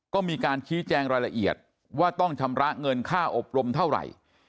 ก็มีการชี้แจงรายละเอียดว่าต้องชำระเงินค่าอบรมเท่าไหร่